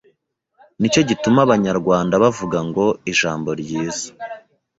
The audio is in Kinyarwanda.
nicyo gituma Abanyarwanda bavuga ngo Ijambo ryiza